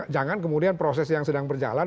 jangan kemudian proses yang sedang berjalan